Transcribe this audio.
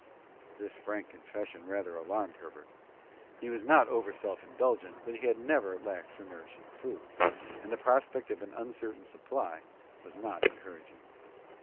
This frank confession rather alarmed Herbert. He was not over self indulgent, but he had never lacked for nourishing food, and the prospect of an uncertain supply was not encouraging.